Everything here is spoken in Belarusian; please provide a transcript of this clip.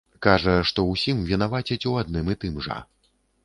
Кажа, што ўсім вінавацяць у адным і тым жа.